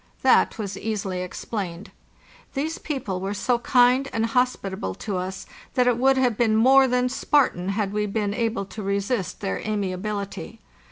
That was easily explained. These people were so kind and hospitable to us that it would have been more than Spartan had we been able to resist their amiability.